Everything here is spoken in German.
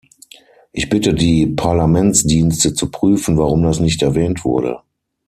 Ich bitte die Parlamentsdienste zu prüfen, warum das nicht erwähnt wurde.